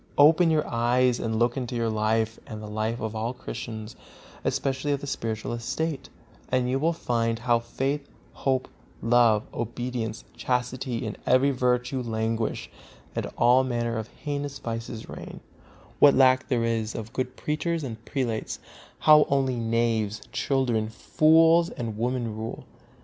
Open your eyes and look into your life and the life of all Christians, especially of the spiritual estate, and you will find how faith, hope, love, obedience, chastity and every virtue languish, and all manner of heinous vices reign; what a lack there is of good preachers and prelates; how only knaves, children, fools and women rule.